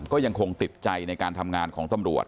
ก็ยังคงติดใจในการทำงานของตำรวจ